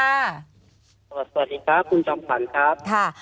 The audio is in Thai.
สวัสดีค่ะคุณจำฝันครับ